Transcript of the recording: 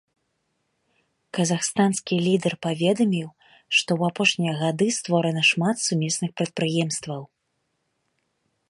Казахстанскі лідар паведаміў, што ў апошнія гады створана шмат сумесных прадпрыемстваў.